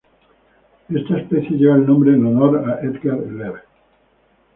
Esta especie lleva el nombre en honor a Edgar Lehr.